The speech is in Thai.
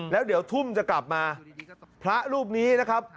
แล้วเดี๋ยวทุ่มจะกลับมาพระรูปนี้นะครับ